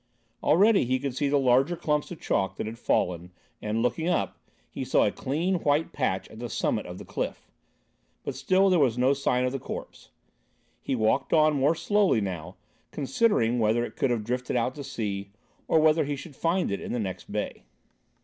Already he could see the larger lumps of chalk that had fallen, and looking up, he saw a clean, white patch at the summit of the cliff. But still there was no sign of the corpse. He walked on more slowly now, considering whether it could have drifted out to sea, or whether he should find it in the next bay.